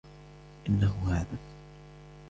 انهِ هذا.